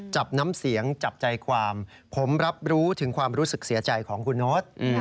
จับน้ำเสียงจับใจความผมรับรู้ถึงความรู้สึกเสียใจของคุณโน๊ต